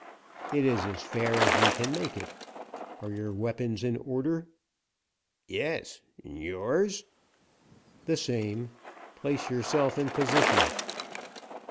"It is as fair as we can make it. Are your weapons in order?" "Yes; and yours?" "The same. Place yourself in position."